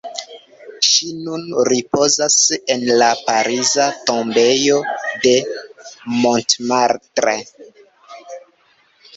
Ŝi nun ripozas en la pariza tombejo de Montmartre.